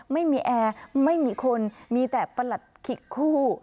ไม่มีแอร์ไม่มีคนมีแต่ประหลัดขิกคู่